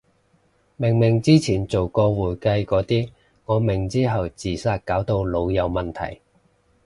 明明之前做過會計個啲，我明之後自殺搞到腦有問題